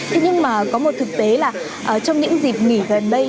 thế nhưng mà có một thực tế là trong những dịp nghỉ gần đây